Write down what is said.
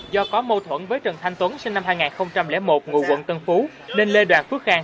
do có mâu thuẫn với trần thanh tuấn sinh năm hai nghìn một ngụ quận tân phú nên lê đoàn phước khang